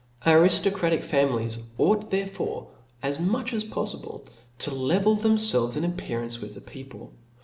Ariftocratical families ought therefore, as mdch as poffible, to level themfelves in appearance with the people.